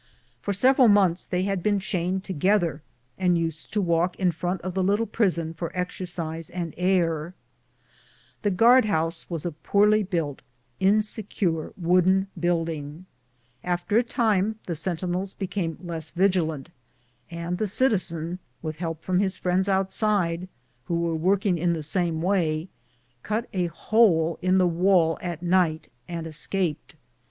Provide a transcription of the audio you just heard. For several months they had been chained together, and used to walk in front of the little prison for exercise and air. The guard house was a poorly built, insecure wooden building. After a time the sentinels became less vigilant, and the citizen, with help from his friends outside, who were working in the same way, cut a hole in the wall at night and escaped.